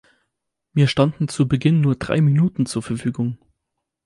Mir standen zu Beginn nur drei Minuten zur Verfügung.